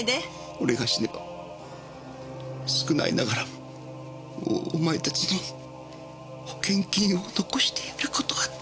俺が死ねば少ないながらもお前たちの保険金を残してやる事が出来る。